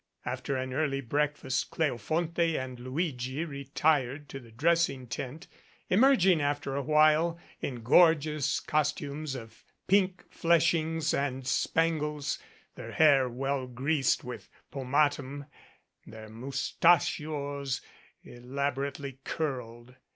After an early breakfast Cleofonte and Luigi retired to the dressing tent, emerging after a while in gorgeous costumes of pink fleshings and spangles, their hair well greased with pomatum, their mustachios elaborately curled.